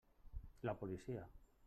La policia.